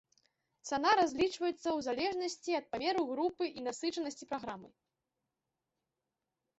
Цана разлічваецца ў залежнасці ад памеру групы і насычанасці праграмы.